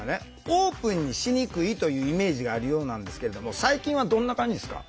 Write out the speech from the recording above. オープンにしにくいというイメージがあるようなんですけれども最近はどんな感じですか？